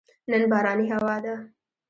نن بارانې هوا ده